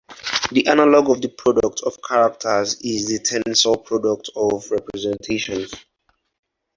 The analogue of the product of characters is the tensor product of representations.